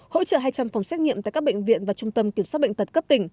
hỗ trợ hai trăm linh phòng xét nghiệm tại các bệnh viện và trung tâm kiểm soát bệnh tật cấp tỉnh